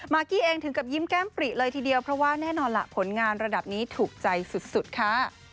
กี้เองถึงกับยิ้มแก้มปริเลยทีเดียวเพราะว่าแน่นอนล่ะผลงานระดับนี้ถูกใจสุดค่ะ